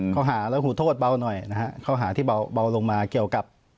ข้อหาแล้วหูโทษเบาหน่อยนะฮะข้อหาที่เบาลงมาเกี่ยวกับ